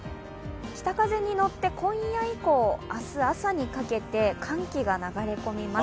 北風に乗って、今夜以降、明日朝にかけて寒気が流れ込みます。